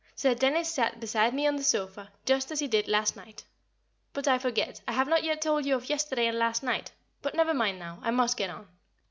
Sir Dennis sat beside me on the sofa just as he did last night but I forget, I have not yet told you of yesterday and last night; but never mind now, I must get on.